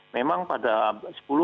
memang pada sepuluh hari